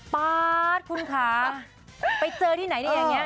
ป๊าดคุณคะไปเจอที่ไหนได้อย่างนี้